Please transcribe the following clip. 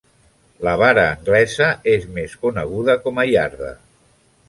La vara anglesa és més coneguda com a iarda.